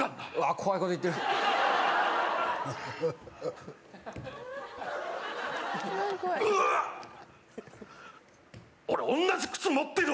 怖いこと言ってる。